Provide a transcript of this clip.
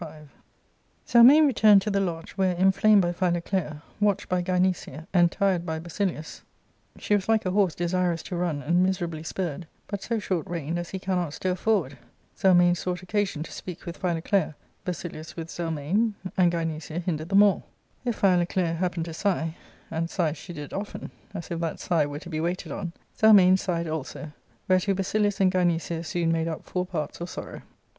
Zelmane returned to the lodge, where, inflamed by Philoclea, watched by Gynecia, and tired by Basilius, she was like a horse desirous to run and miserably spurred, but so short reined as he cannot stir forward ; Zelmane sought occasion to speak with Philoclea, Basilius with Zelmane, and Gynecia hindered them all. If Philoclea happened to sigh, and sigh she did often, as if that sigh were to be waited on, Zelmane sighed also, whereto Basilius and Gynecia soon made up four parts of sorrow.